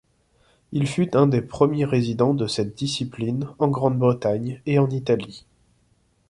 Il fut un des premiers résidents de cette discipline en Grande-Bretagne et en Italie.